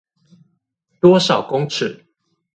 多少公尺